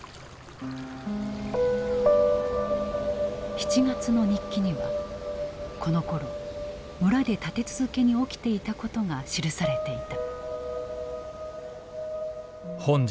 ７月の日記にはこのころ村で立て続けに起きていたことが記されていた。